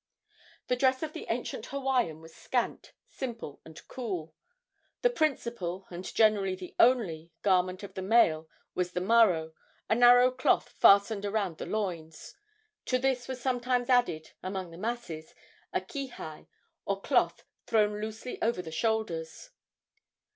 The dress of the ancient Hawaiian was scant, simple and cool. The principal, and generally the only, garment of the male was the maro, a narrow cloth fastened around the loins. To this was sometimes added, among the masses, a kihei, or cloth thrown loosely over the shoulders.